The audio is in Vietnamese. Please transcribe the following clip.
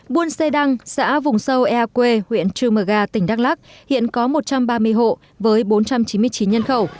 buôn xê đăng xã vùng sâu ea quê huyện trư mờ gà tỉnh đắk lắc hiện có một trăm ba mươi hộ với bốn trăm chín mươi chín nhân khẩu